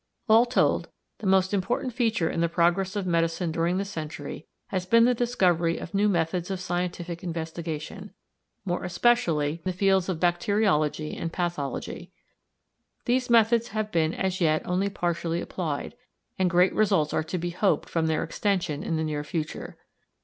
All told, the most important feature in the progress of medicine during the century has been the discovery of new methods of scientific investigation, more especially in the fields of bacteriology and pathology. These methods have been as yet only partially applied, and great results are to be hoped from their extension in the near future.